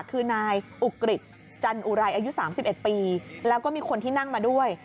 คือนายอุกริบจันอุไรอายุสามสิบเอ็ดปีแล้วก็มีคนที่นั่งมาด้วย